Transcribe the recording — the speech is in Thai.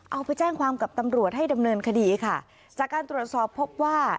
เอาไปแจ้งความกับตำรวจให้ดำเนินคดีค่ะจากการตรวจสอบพบว่า